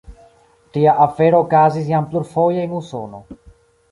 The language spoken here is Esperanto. Tia afero okazis jam plurfoje en Usono.